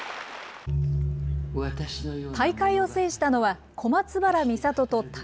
大会を制したのは、小松原美里と尊。